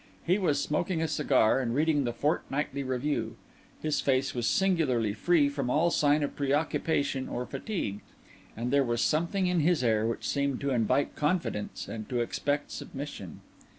He was smoking a cigar and reading the Fortnightly Review; his face was singularly free from all sign of preoccupation or fatigue; and there was something in his air which seemed to invite confidence and to expect submission.